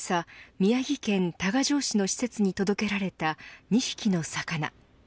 宮城県多賀城市の施設に届けられた２匹の魚。